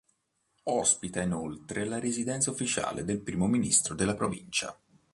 Ospita inoltre la residenza ufficiale del primo ministro della provincia.